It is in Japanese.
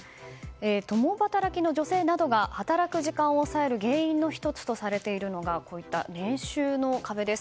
共働きの女性などが働く時間を抑える原因の１つとされているのが年収の壁です。